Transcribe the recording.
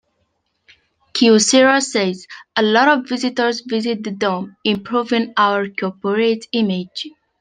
Kyocera says "A lot of visitors visit the dome, improving our corporate image".